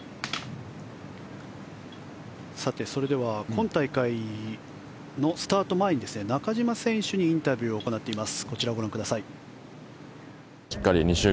今大会のスタート前に中島選手にインタビューを行っています。